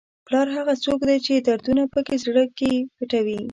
پلار هغه څوک دی چې دردونه په زړه کې پټوي.